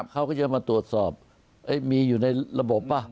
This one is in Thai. เขาก็จะมาตรวจสอบมีอยู่ในระบบป่ะ